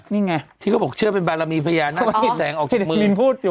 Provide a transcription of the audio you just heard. นี่ไงที่เขาบอกเชื่อเป็นบารามีพญานั่นก็จะดีดแสงออกจากที่มินพูดอยู่